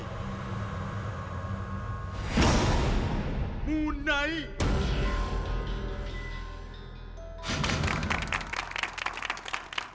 ามูนไนท์